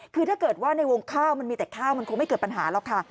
คือถ้าเกิดว่าในวงข้าวมันมีแต่ข้าวมันคงไม่เกิดปัญหาหรอกค่ะ